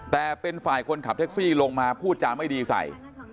แต่เป็นฝ่ายคนขับแท็กซี่ลงมาพูดจาไม่ดีใส่